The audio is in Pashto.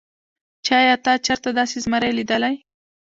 چې ايا تا چرته داسې زمرے ليدلے